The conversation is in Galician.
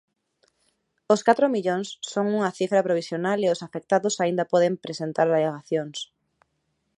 Os catro millóns son un cifra provisional e os afectados aínda poden presentar alegacións.